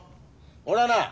俺はな